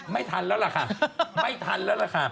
ไม่ทันแล้วล่ะค่ะไม่ทันแล้วล่ะค่ะ